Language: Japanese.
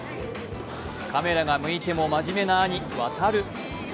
カメラが向いても真面目な兄・航。